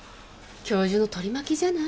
教授の取り巻きじゃない？